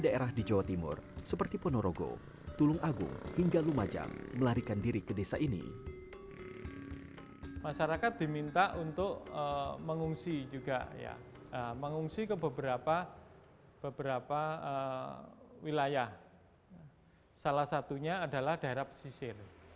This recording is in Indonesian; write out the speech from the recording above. salah satunya adalah daerah pesisir